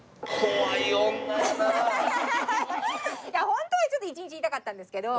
ホントはちょっと一日いたかったんですけど。